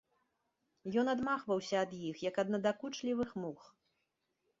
Ён адмахваўся ад іх, як ад надакучлівых мух.